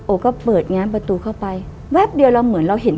ก็เปิดแง้มประตูเข้าไปแวบเดียวเราเหมือนเราเห็น